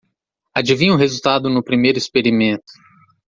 Adivinha o resultado no primeiro experimento.